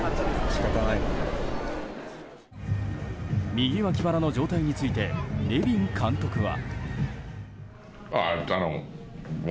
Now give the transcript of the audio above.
右脇腹の状態についてネビン監督は。